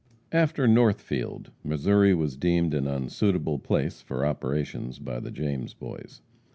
After Northfield, Missouri was deemed an unsuitable field for operations by the James Boys.